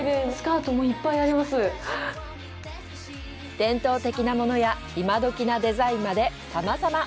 伝統的なものや今どきなデザインまでさまざま！